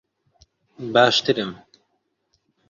باشترم.